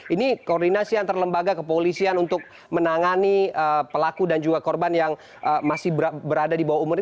ini koordinasi antar lembaga kepolisian untuk menangani pelaku dan juga korban yang masih berada di bawah umur